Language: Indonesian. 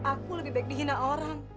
aku lebih baik dihina orang